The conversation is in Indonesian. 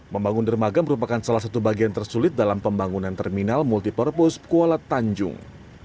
membangun dermaga merupakan salah satu bagian tersulit dalam pembangunan terminal multi purpose kuala tanjung